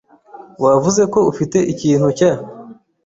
Wavuze ko ufite ikintu cya